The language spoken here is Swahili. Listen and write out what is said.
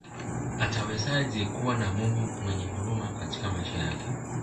Atawezaje kuwa na Mungu mwenyehuruma katika maisha yake